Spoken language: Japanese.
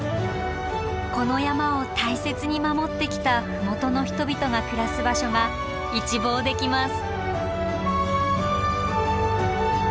この山を大切に守ってきた麓の人々が暮らす場所が一望できます。